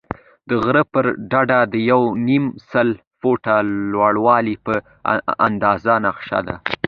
د غره پر ډډه د یو نیم سل فوټه لوړوالی په اندازه نقشه ده.